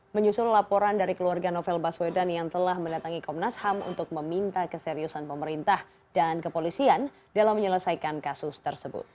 menyusul laporan dari keluarga novel baswedan yang telah mendatangi komnas ham untuk meminta keseriusan pemerintah dan kepolisian dalam menyelesaikan kasus tersebut